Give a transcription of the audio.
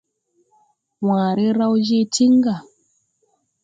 Waare raw je tiŋ ga.